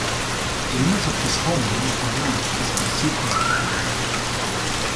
The image of his homeland Iran is conceived utopically.